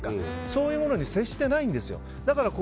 そういうものに接してないんですよ。